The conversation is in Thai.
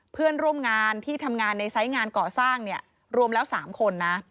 เพื่อนร่วมงานที่ทำงานในไซส์งานก่อสร้างเนี่ยรวมแล้ว๓คนนะ